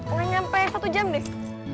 nggak nyampe satu jam deh